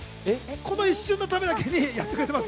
この一瞬のためだけにやってくれています。